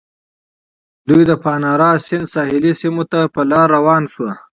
دوی د پانارا سیند ساحلي سیمو ته په لاره روان شول.